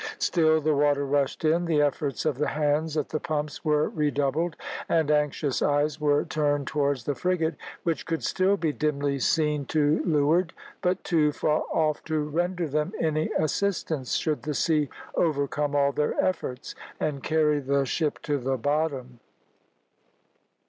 Still the water rushed in. The efforts of the hands at the pumps were redoubled, and anxious eyes were turned towards the frigate, which could still be dimly seen to leeward, but too far off to render them any assistance should the sea overcome all their efforts, and carry the ship to the bottom.